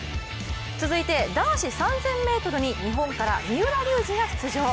続いて男子３０００ｍに日本から三浦龍司が出場。